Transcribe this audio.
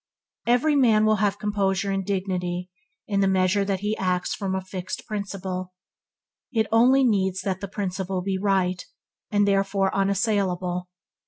Every man will have composure and dignity in the measure that he acts from a fixed principle. It only needs that the principle be right, and therefore unassailable.